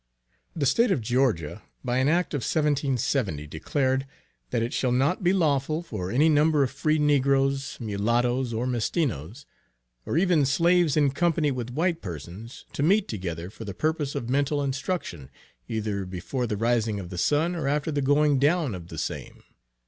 The state of Georgia, by an act of 1770, declared "that it shall not be lawful for any number of free negroes, molattoes or mestinos, or even slaves in company with white persons, to meet together for the purpose of mental instruction, either before the rising of the sun or after the going down of the same."